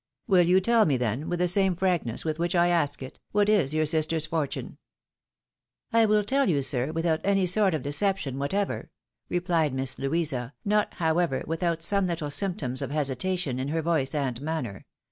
Will you tell me, then, with the same frankness with which I ask it, what is your sis ter's fortune ?"" I will teU you, sir, without any sort of deception what ever," replied Miss Louisa, not, however, without some little symptoms of hesitation in her voice and manner.